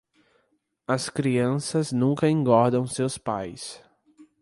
As crianças nunca engordam seus pais.